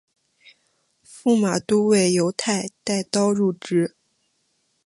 驸马都尉游泰带刀入直。